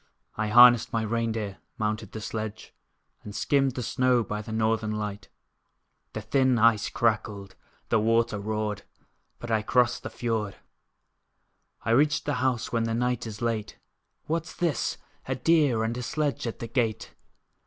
I harnessed my rein deer, mounted the sledge, And skimmed the snow by the northern light. The thin ice crackled, the water roared, But I crossed the fiord: I reached the house when the night is late, What's this? A deer and a sledge at the gate!